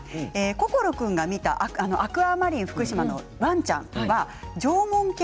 心君が見たアクアマリンふくしまのワンちゃんは縄文犬